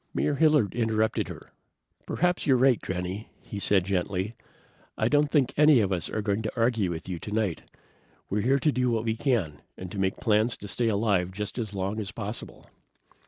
Mayor Hilliard interrupted her. "Perhaps you're right, Granny," he said gently. "I don't think any of us are going to argue with you tonight. We're here to do what we can, and to make plans to stay alive just as long as possible."